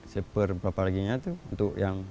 seperti berapa lagi nya itu